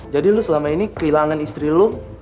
jadi lo selama ini kehilangan istri lo